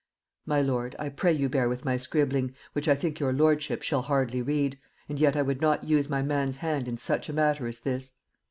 My lord, I pray you bear with my scribbling, which I think your lordship shall hardly read, and yet I would not use my man's hand in such a matter as this is.